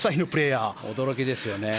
驚きですね。